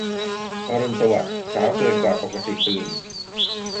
อรุณสวัสดิ์ เช้าเกินกว่าปกติตื่น